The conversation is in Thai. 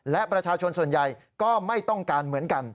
และประชาชนส่วนใหญ่ก็ไม่ต้องการเหมือนกัน